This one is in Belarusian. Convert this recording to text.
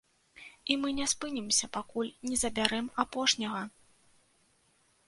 І мы не спынімся, пакуль не забярэм апошняга.